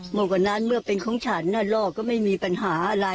เมื่อกว่านั้นเมื่อเป็นของฉันล่อก็ไม่มีปัญหาอะไร